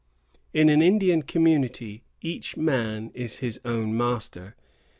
In an Indian community, each man is his own master.